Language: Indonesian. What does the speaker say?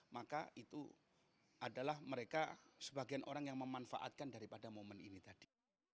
maka itu adalah mereka sebagian orang yang memanfaatkan daripada momen ini tadi